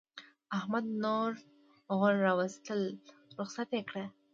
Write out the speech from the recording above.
احمد نور غول راوستل؛ رخصت يې کړه.